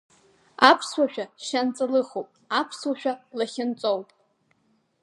Аԥсуашәа шьанҵа лыхуп, аԥсуашәа лахьынҵоуп.